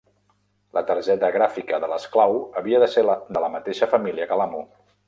La targeta gràfica de l'esclau havia de ser de la mateixa família que l'amo.